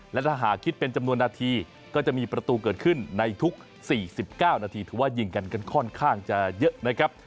และถ้าหากคิดเป็นจำนวนนาทีก็จะมีประตูเกิดขึ้นในทุก๔๙นาทีถือว่ายิงกันกันค่อนข้างจะเยอะนะครับ